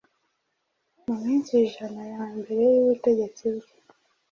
mu minsi ijana ya mbere y’ubutegetsi bwe